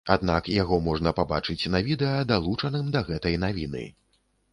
Аднак яго можна пабачыць на відэа, далучаным да гэтай навіны.